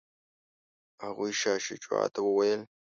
هغوی شاه شجاع ته وویل.